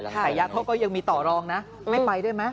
แต่ยะเขาก็ยังมีต่อรองนะไม่ไปด้วยไหม